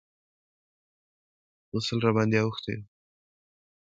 غسل راباندې اوښتى و.